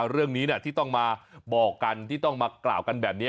เรื่องนี้ที่ต้องมาบอกกันที่ต้องมากล่าวกันแบบนี้